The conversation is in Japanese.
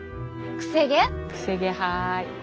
くせ毛はい。